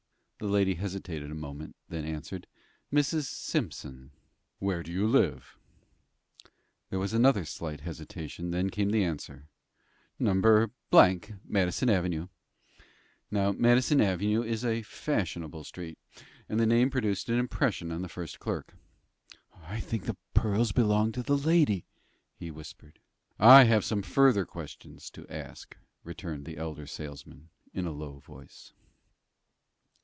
The lady hesitated a moment, then answered: "Mrs. Simpson." "Where do you live?" There was another slight hesitation. Then came the answer: "No. Madison Avenue." Now Madison Avenue is a fashionable street, and the name produced an impression on the first clerk. "I think the pearls belong to the lady," he whispered. "I have some further questions to ask," returned the elder salesman, in a low voice.